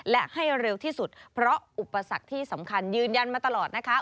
และให้เร็วที่สุดเพราะอุปสรรคที่สำคัญยืนยันมาตลอดนะคะ